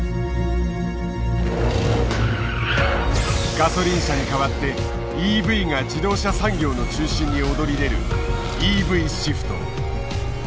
ガソリン車に代わってＥＶが自動車産業の中心に躍り出る「ＥＶシフト」。